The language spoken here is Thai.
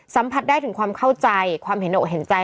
สัมผัสได้ถึงความเข้าใจความเห็นอกเห็นใจ